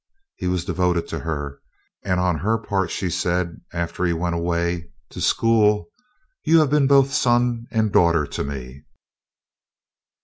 He was devoted to her, and on her part she said, after he went away to school, "You have been both son and daughter to me."